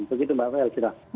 begitu mbak elvira